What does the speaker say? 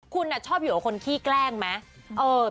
คุณชอบอยู่กับคนขี้แกล้งไหม